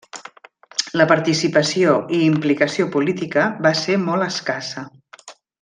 La participació i implicació política va ser molt escassa.